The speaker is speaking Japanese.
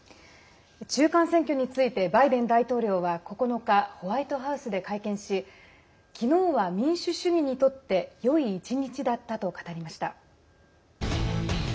中間選挙についてバイデン大統領は９日ホワイトハウスで会見し昨日は民主主義にとってよい一日だったと語りました。